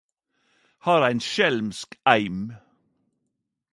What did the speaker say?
Har ein skjelmsk eim